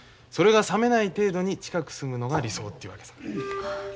それが冷めない程度に近く住むのが理想というわけさ。